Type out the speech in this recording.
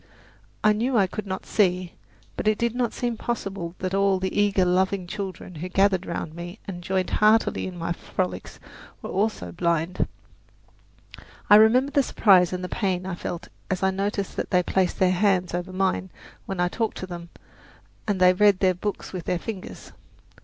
I knew I could not see; but it did not seem possible that all the eager, loving children who gathered round me and joined heartily in my frolics were also blind. I remember the surprise and the pain I felt as I noticed that they placed their hands over mine when I talked to them and that they read books with their fingers.